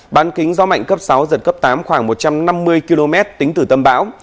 bán kính gió mạnh cấp sáu giật cấp tám khoảng một trăm năm mươi km tính từ tâm bão